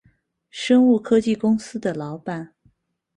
生物科技公司的老板